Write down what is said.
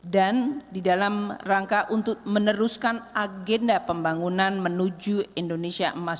dan di dalam rangka untuk meneruskan agenda pembangunan menuju indonesia emas dua ribu empat puluh lima